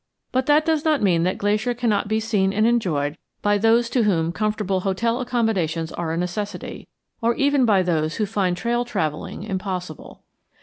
But that does not mean that Glacier cannot be seen and enjoyed by those to whom comfortable hotel accommodations are a necessity, or even by those who find trail travelling impossible.